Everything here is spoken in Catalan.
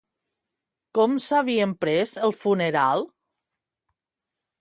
Com s'havien pres el funeral?